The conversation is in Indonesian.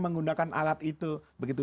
menggunakan alat itu begitu